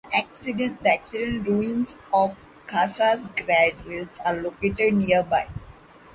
The ancient ruins of Casas Grandes are located nearby.